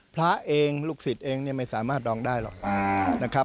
พระเองลูกศิษย์เองไม่สามารถดองได้หรอก